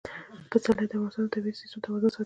پسرلی د افغانستان د طبعي سیسټم توازن ساتي.